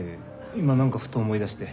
今何かふと思い出して。